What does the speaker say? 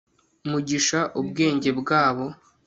Mugisha ubwenge bwabo